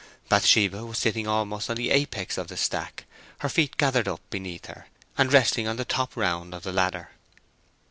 Bathsheba was sitting almost on the apex of the stack, her feet gathered up beneath her, and resting on the top round of the ladder.